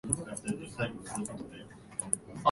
奈良県河合町